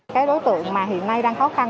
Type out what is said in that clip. cái đối tượng mà hiện nay đang khó khăn